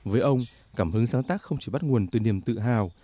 với ông cảm hứng sáng tác không chỉ bắt nguồn từ niềm tự hào